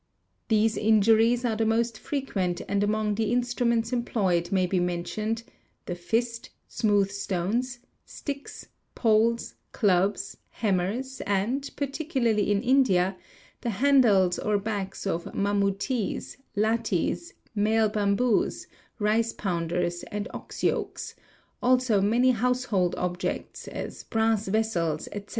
These injuries are the most frequent and among the instruments en ployed may be mentioned: the fist, smooth stones, sticks, poles, clubs, he mimers and, particularly in India, the handles or backs of mamooties, lathis, male bamboos, rice pounders, and ox yokes: also many household objects, as brass vessels, etc.